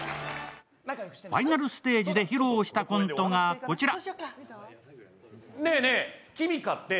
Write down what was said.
ファイナルステージで披露したコントがこちら。